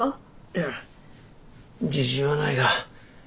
いや自信はないが。